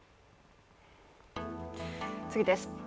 次です。